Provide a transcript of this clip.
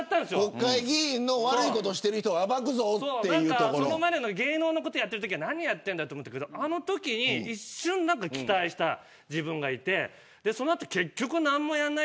国会議員の悪いことをしている人を芸能のことをやっているときは何やってるんだと思ったけどあのとき一瞬期待した自分がいてその後、結局何もやらない。